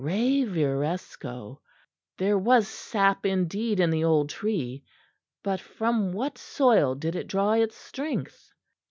Reviresco There was sap indeed in the old tree; but from what soil did it draw its strength?